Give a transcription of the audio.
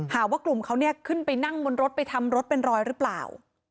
ว่ากลุ่มเขาเนี่ยขึ้นไปนั่งบนรถไปทำรถเป็นรอยหรือเปล่า